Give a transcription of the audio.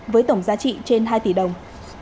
với tổng giá trị trên hai tỷ đồng